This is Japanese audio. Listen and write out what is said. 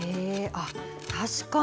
あ確かに！